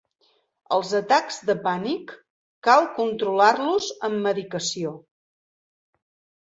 Els atacs de pànic cal controlar-los amb medicació.